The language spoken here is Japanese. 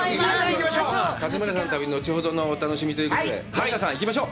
勝村さんの旅は後ほどのお楽しみということで、ラッシャーさん、行きましょう。